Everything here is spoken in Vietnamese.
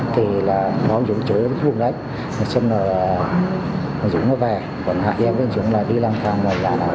thì là bọn chúng chơi vùng đấy xong rồi dũng nó về bọn hạ đem với dũng là đi lăng thang ngoài làng